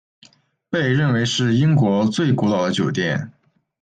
被认为是英国最古老的酒店。